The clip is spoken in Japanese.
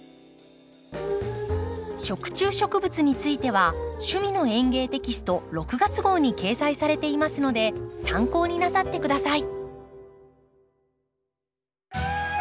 食虫植物については「趣味の園芸」テキスト６月号に掲載されていますので参考になさって下さい。